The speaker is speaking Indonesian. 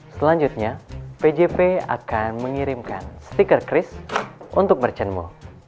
selanjutnya pjp akan mengirimkan stiker cris untuk merchantmu